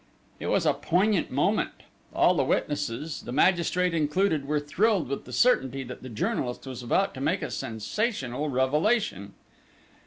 It was a poignant moment! All the witnesses, the magistrate included, were thrilled with the certainty that the journalist was about to make a sensational revelation.